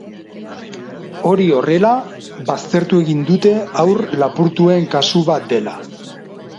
Hori horrela, baztertu egin dute haur-lapurtuen kasu bat dela.